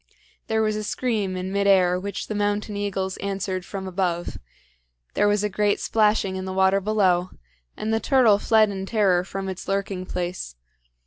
There was a scream in mid air which the mountain eagles answered from above; there was a great splashing in the water below, and the turtle fled in terror from its lurking place.